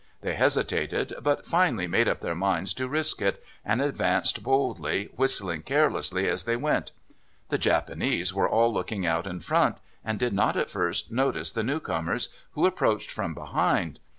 They hesitated, but finally made up their minds to risk it, and advanced boldly, whistling carelessly as they went. The Japanese were all looking out in front, and did not at first notice the new comers, who approached from behind.